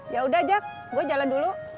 ya udah jak gue jalan dulu